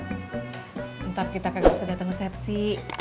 tad ntar kita gak usah dateng resepsi